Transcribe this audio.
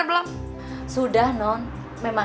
ya udah pak